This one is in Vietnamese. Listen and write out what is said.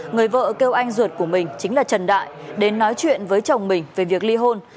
người vợ kêu anh ruột của mình chính là trần đại đến nói chuyện với chồng mình về việc ly hôn